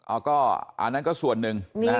อ่าก็อันนั้นก็ส่วนนึงนะครับ